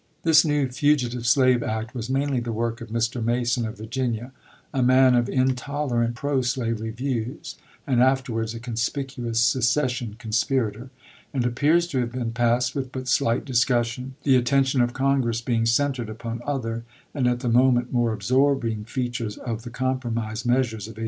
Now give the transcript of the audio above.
This new fugitive slave act was mainly the work of Mr. Mason, of Virginia, — a man of intolerant pro slavery views, and afterwards a conspicuous secession conspirator, — and appears to have been passed with but slight discussion, the attention of Congress being centered upon other, and at the moment more absorbing, features of the compro mise measures of 1850.